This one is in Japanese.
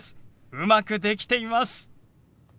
うまくできています！